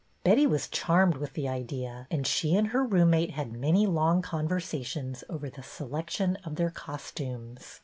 Betty was charmed with the idea and she and her roommate had many long conversations over the selection of their costumes.